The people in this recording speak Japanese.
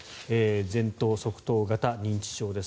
前頭側頭型認知症です。